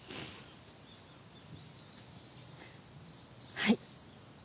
はい。